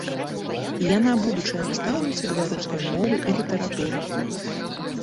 Яна будучая настаўніца беларускай мовы і літаратуры.